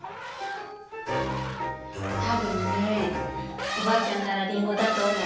多分ねおばあちゃんからりんごだと思う。